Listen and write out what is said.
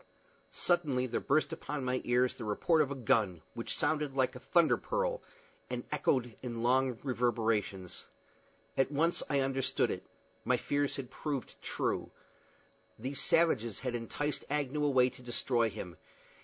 Suddenly, there burst upon my ears the report of a gun, which sounded like a thunder peal, and echoed in long reverberations. At once I understood it. My fears had proved true. These savages had enticed Agnew away to destroy him.